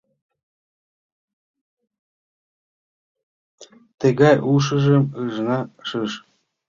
Тыгай ушыжым ыжна шиж